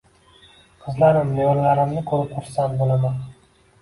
Qizlarim, nevaralarimni ko’rib, xursand bo’laman.